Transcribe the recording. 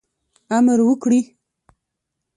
امر وکړي.